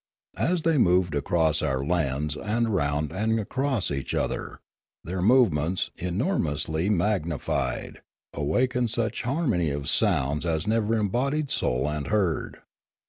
As they moved across our lens and round and across one another, their movements, enormously magnified, awakened such harmony of sounds as never embodied soul had heard.